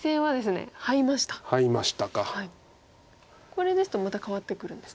これですとまた変わってくるんですね。